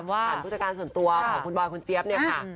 ว่าผู้จัดการส่วนตัวของคุณบอยคุณเจี๊ยบเนี่ยค่ะ